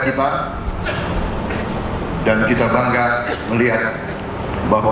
saya berterima kasih kepada anda